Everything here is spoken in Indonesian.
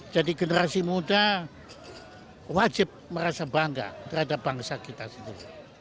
jadi generasi muda wajib merasa bangga terhadap bangsa kita sendiri